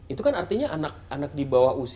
itu kan artinya anak anak di bawah usia